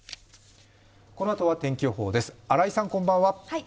このあとは天気予報です、新井さんこんばんは。